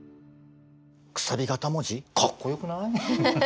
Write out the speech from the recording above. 楔形文字かっこよくない？